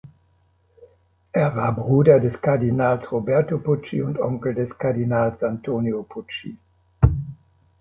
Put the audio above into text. Er war Bruder des Kardinals Roberto Pucci und Onkel des Kardinals Antonio Pucci.